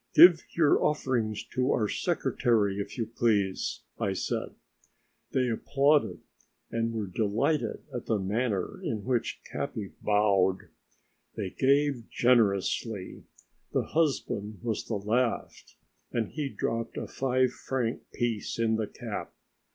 "Give your offerings to our secretary, if you please," I said. They applauded, and were delighted at the manner in which Capi bowed. They gave generously; the husband was the last, and he dropped a five franc piece in the cap.